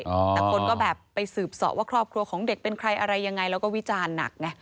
แต่คนก็แบบไปสืบสอบว่าครอบครัวของเด็กเป็นใครอะไรยังไงแล้วก็วิจารณ์หนักไง